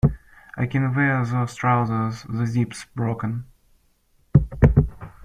I can't wear those trousers; the zip’s broken